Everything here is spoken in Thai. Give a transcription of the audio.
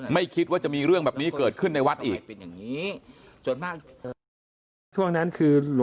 ไม่คิดว่าจะมีเรื่องแบบนี้เกิดขึ้นในวัดอีก